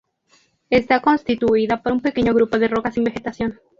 Está constituida por un pequeño grupo de rocas sin vegetación.